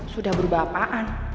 sudah berubah apaan